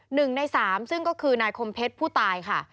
หนึ่งในสามซึ่งก็คือนายคมเพชรผู้ตายค่ะ